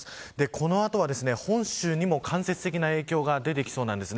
この後は本州にも間接的な影響が出てきそうです。